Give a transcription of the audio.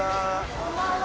こんばんは。